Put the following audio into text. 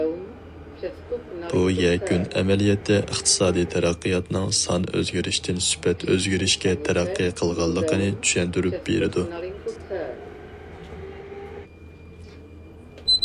بۇ يەكۈن ئەمەلىيەتتە ئىقتىسادىي تەرەققىياتنىڭ سان ئۆزگىرىشتىن سۈپەت ئۆزگىرىشكە تەرەققىي قىلغانلىقنى چۈشەندۈرۈپ بېرىدۇ.